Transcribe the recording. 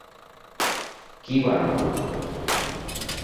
কী বারণ করব?